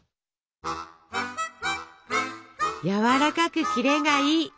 やわらかくキレがいい！